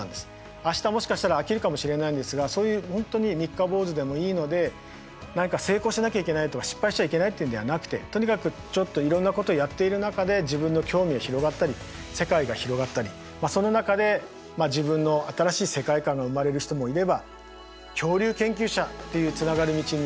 明日もしかしたら飽きるかもしれないんですがそういう本当に三日坊主でもいいので何か成功しなきゃいけないとか失敗しちゃいけないっていうのではなくてとにかくちょっといろんなことをやっている中で自分の興味が広がったり世界が広がったりその中で自分の新しい世界観が生まれる人もいれば恐竜研究者っていうつながる道に歩みだす皆さん